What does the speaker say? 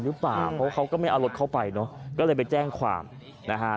หรือเปล่าเพราะเขาก็ไม่เอาลดเขาไปนะครับก็ไปแจ้งความนะฮะ